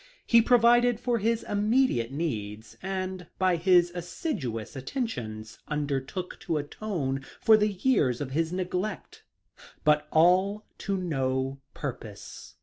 He provided for his immediate needs, and by his assiduous attentions undertook to atbne for the years of his neglect ; but all to no purpose.